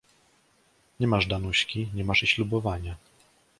"Nie masz Danuśki, nie masz i ślubowania."